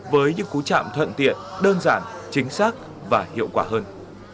với những cú chạm thuận tiện đơn giản chính xác và hiệu quả hơn